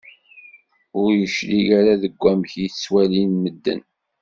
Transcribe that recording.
Ur yeclig ara deg wamek i tettwalin medden.